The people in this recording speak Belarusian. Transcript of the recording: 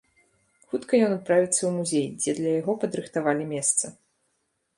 Хутка ён адправіцца ў музей, дзе для яго падрыхтавалі месца.